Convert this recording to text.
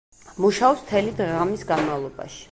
მუშაობს მთელი დღე-ღამის განმავლობაში.